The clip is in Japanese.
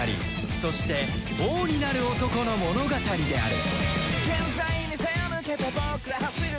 そして王になる男の物語である